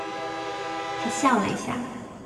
她笑了一下